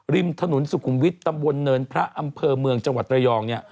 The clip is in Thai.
ริมถนนสุขุมวิทย์ตำบลเนินพระอำเภอเมืองจังหวัดระยอง